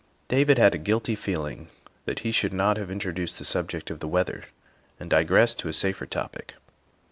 '' David had a guilty feeling that he should not have introduced the subject of the weather and digressed to a safer topic.